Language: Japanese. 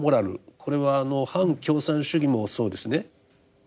これは反共産主義もそうですね。